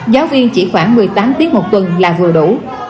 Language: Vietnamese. giáo viên chỉ khoảng một mươi tám tiết một tuần là vừa đủ